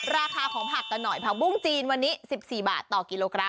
ทีนี้ไปดูราคาของผักตะหน่อยผักบุ้งจีนวันนี้๑๔บาทต่อกิโลกรัม